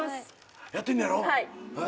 やってんねんやろ。